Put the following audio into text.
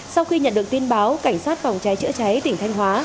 sau khi nhận được tin báo cảnh sát phòng cháy chữa cháy tỉnh thanh hóa